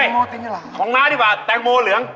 เฮ้ยของหน้าดีกว่าแตงโมเหลือง